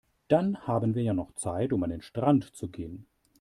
Dann haben wir ja noch Zeit, um an den Strand zu gehen.